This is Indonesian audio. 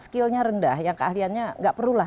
skillnya rendah yang keahliannya nggak perlulah